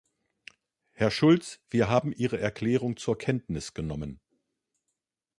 Herr Schulz, wir haben Ihre Erklärung zur Kenntnis genommen.